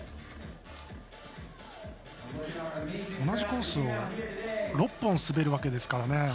同じコースを６本滑るわけですからね